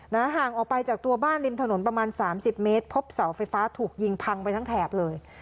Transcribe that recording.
ห่างออกไปจากตัวบ้านริมถนนประมาณสามสิบเมตรพบเสาไฟฟ้าถูกยิงพังไปทั้งแถบเลย